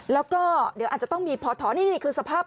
แล้วก็เดี๋ยวอาจจะต้องมีพอถอนี่คือสภาพ